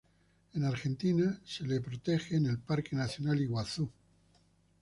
En Argentina se lo protege en el Parque Nacional Iguazú.